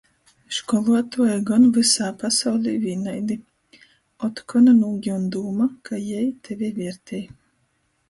Školuotuoji gon vysā pasaulī vīnaidi. Otkon nūgiun dūma, ka jei tevi viertej.